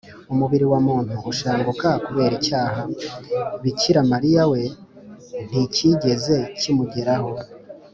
umubiri wa muntu ushanguka kubera icyaha. bikira mariya we ntikigeze kimugeraho